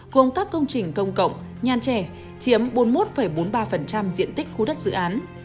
gồm các công trình công cộng nhàn trẻ chiếm bốn mươi một bốn mươi ba diện tích khu đất dự án